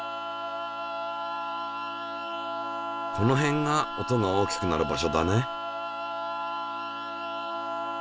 この辺が音が大きくなる場所だね。